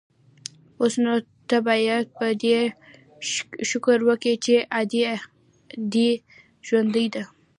اوس نو ته بايد په دې شکر وکې چې ادې دې ژوندۍ ده.